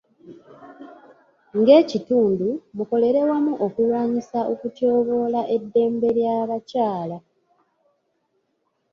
Ng'ekitundu, mukolere wamu okulwanyisa okutyoboola eddembe ly'abakyala.